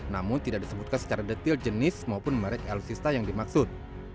namun tidak disebutkan secara detil jenis maupun merek alutsista yang dimaksud